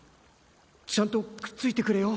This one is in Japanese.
ちゃんとくっついてくれよ。